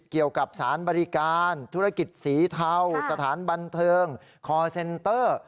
เกี่ยวกับสารบริการธุรกิจสีเทาสถานบันเทิงคอร์เซนเตอร์